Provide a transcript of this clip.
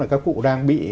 là các cụ đang bị